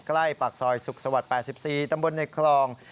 ใกล้ปากซอยสุขสวรรค์๘๔ตำบลในคลอง